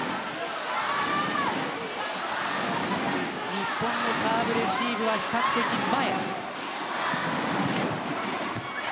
日本のサーブレシーブは比較的前。